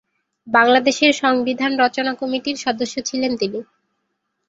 বাংলাদেশের সংবিধান রচনা কমিটির সদস্য ছিলেন তিনি।